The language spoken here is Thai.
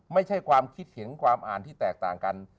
ไม่ใช่ความคิดเห็นความอ่านที่แตกต่างกัน